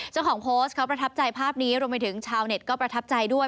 เจ้าของโพสต์เขาประทับใจภาพนี้รวมไปถึงชาวเน็ตก็ประทับใจด้วย